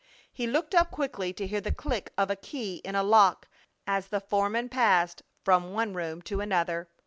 He looked up quickly to hear the click of a key in a lock as the foreman passed from one room to another.